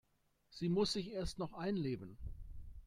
Sie muss sich erst noch einleben.